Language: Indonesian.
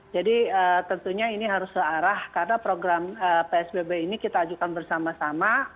jadi tentunya ini harus searah karena program psbb ini kita ajukan bersama sama